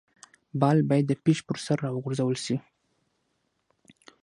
بال باید د پيچ پر سر راوغورځول سي.